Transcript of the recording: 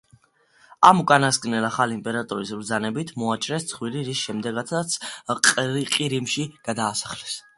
ამ უკანასკნელს, ახალი იმპერატორის ბრძანებით მოაჭრეს ცხვირი, რის შემდეგაც ყირიმში გადაასახლეს.